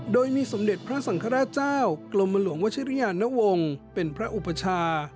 โดยมีสมเด็จพระสังฆราชเจ้ากรมหลวงวชิริยานวงศ์เป็นพระอุปชา